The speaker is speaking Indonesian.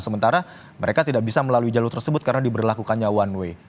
sementara mereka tidak bisa melalui jalur tersebut karena diberlakukannya one way